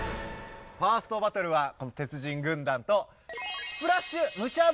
ファーストバトルはこの鉄人軍団とわ！